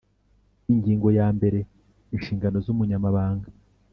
Ingingo ya mbere Inshingano z Umunyamabanga